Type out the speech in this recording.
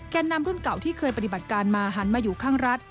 นำรุ่นเก่าที่เคยปฏิบัติการมาหันมาอยู่ข้างรัฐ